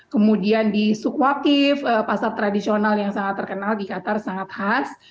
kemudian di sukwakif pasar tradisional yang sangat terkenal di qatar sangat khas